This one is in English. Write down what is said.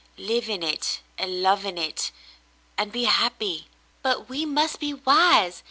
Live in it and love in it and be happy." "But we must be wise.